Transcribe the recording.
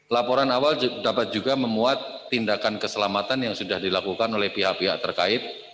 laporan awal dapat juga memuat tindakan keselamatan yang sudah dilakukan oleh pihak pihak terkait